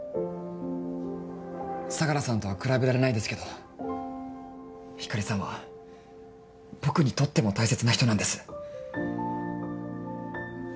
相良さんとは比べられないですけど光莉さんは僕にとっても大切な人なんです。